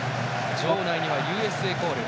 場内にはＵＳＡコール。